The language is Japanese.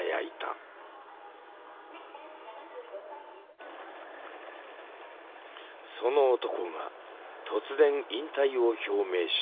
その男が突然引退を表明した。